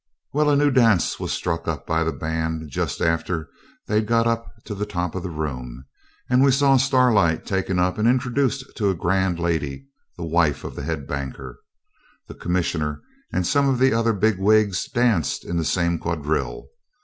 Well, a new dance was struck up by the band just after they'd got up to the top of the room, and we saw Starlight taken up and introduced to a grand lady, the wife of the head banker. The Commissioner and some of the other big wigs danced in the same quadrille.